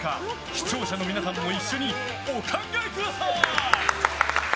視聴者の皆さんも一緒にお考えください。